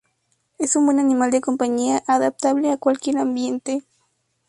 Es un buen animal de compañía, adaptable a cualquier ambiente.